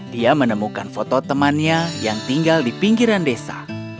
dia menemukan foto temannya yang tinggal di pinggiran desa